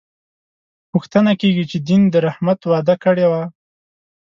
پوښتنه کېږي چې دین د رحمت وعده کړې وه.